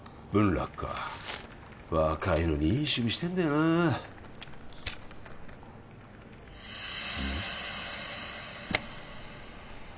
樂か若いのにいい趣味してんだよなあうん？